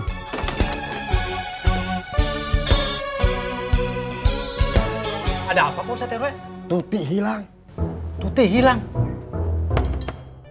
saya rasa ini ada hubungannya dengan pocong yang dilihat asyik dandulung tadi malam pausatero